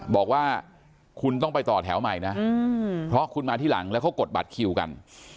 บอกว่าคุณต้องไปต่อแถวใหม่นะเพราะคุณมาที่หลังแล้วเขากดบัตรคิวกัน